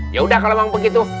yaudah kalo emang begitu